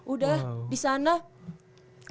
udah di sana belum bisa